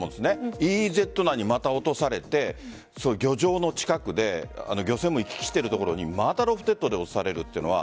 ＥＥＺ内にまた落とされて漁場の近くで漁船も行き来している所にまたロフテッドで落とされるというのは。